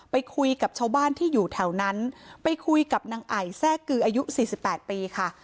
ไปคุยกับชาวบ้านที่อยู่แถวนั้นไปคุยกับนางไอแทรกกืออายุสี่สิบแปดปีค่ะ